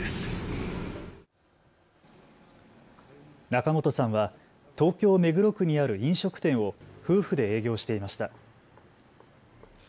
仲本さんは東京目黒区にある飲食店を夫婦で営業していました。